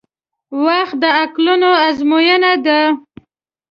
• وخت د عقلونو ازموینه ده.